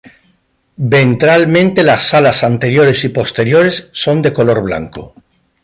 Ventralmente las alas anteriores y posteriores son de color blanco.